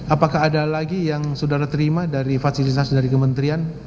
apakah ada lagi yang saudara terima dari fasilitas dari kementerian